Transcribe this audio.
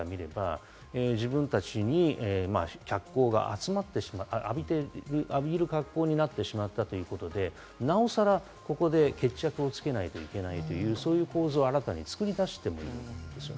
自分たちに脚光が集まって、浴びる格好になってしまったということで、なおさらここで決着をつけないといけないという、そういう構図を新たに作り出しているんでしょう。